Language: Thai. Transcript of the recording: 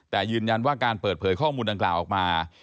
แต่ยืนยันว่าการเปิดเผยข้อมูลดังกล่าวออกมา